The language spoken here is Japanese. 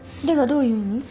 ではどういう意味？